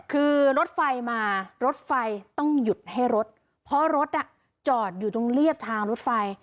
คือรถไฟมารถไฟต้องหยุดให้รถเพราะรถอ่ะจอดอยู่ตรงเรียบทางรถไฟ